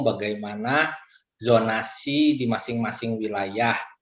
bagaimana zonasi di masing masing wilayah